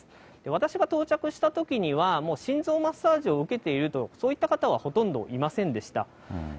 私が到着したときには、もう心臓マッサージを受けていると、そういった方はほとんどいませんでした。